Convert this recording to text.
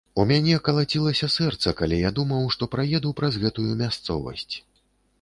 У мяне калацілася сэрца, калі я думаў, што праеду праз гэтую мясцовасць.